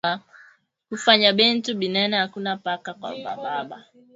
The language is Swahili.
Kufanya bintu binene akuna paka kwa ba baba